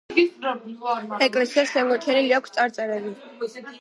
ეკლესიას შემორჩენილი აქვს წარწერები.